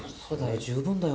十分だよ